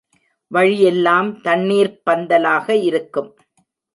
வழியெல்லாம் தண்ணீர்ப் பந்தலாக இருக்கும்.